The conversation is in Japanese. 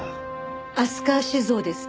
飛鳥酒造ですね。